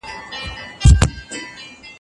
د چاپېريال لوستل تر يوازي کتاب لوستلو مهم دي.